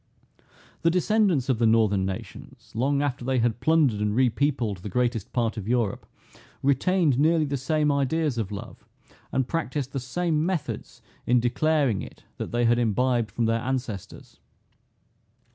The descendants of the northern nations, long after they had plundered and repeopled the greatest part of Europe, retained nearly the same ideas of love, and practised the same methods in declaring it, that they had imbibed from their ancestors.